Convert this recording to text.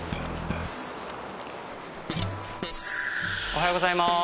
おはようございます！